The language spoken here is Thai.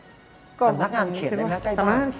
สำนักงานเขตไหมคะใกล้บ้าน